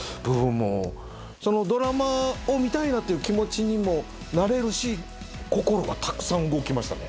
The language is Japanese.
そのドラマを見たいなっていう気持ちにもなれるし心がたくさん動きましたね。